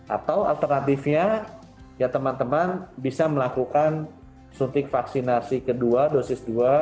atau alternatifnya ya teman teman bisa melakukan suntik vaksinasi kedua dosis dua